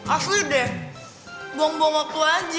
akui deh buang buang waktu aja